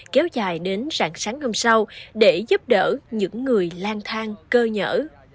kéo dài đến rạng sáng hôm sau để giúp đỡ những người lang thang cơ nhỡ